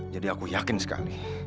jadi aku yakin sekali